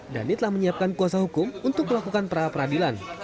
dhani telah menyiapkan kuasa hukum untuk melakukan pra peradilan